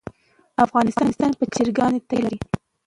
افغانستان په چرګان باندې تکیه لري.